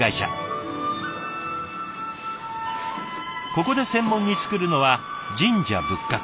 ここで専門につくるのは神社仏閣。